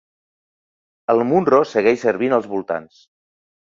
El "Munro" segueix servint als voltants.